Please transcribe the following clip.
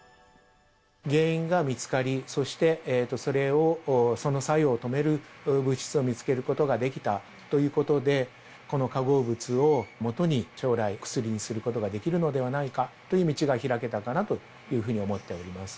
原因が見つかり、そしてそれを、その作用を物質を見つけることができたということで、この化合物を基に将来、薬にすることができるのではないかという道が開けたかなというふうに思っております。